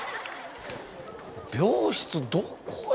病室どこや？